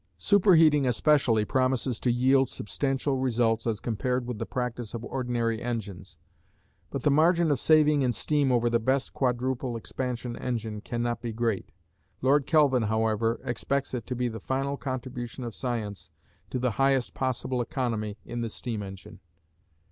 Superheating especially promises to yield substantial results as compared with the practice with ordinary engines, but the margin of saving in steam over the best quadruple expansion engine cannot be great. Lord Kelvin however expects it to be the final contribution of science to the highest possible economy in the steam engine.